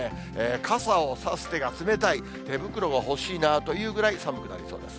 傘を差す手が冷たい、手袋が欲しいなというぐらい寒くなりそうです。